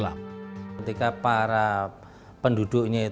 yang diperbeda suami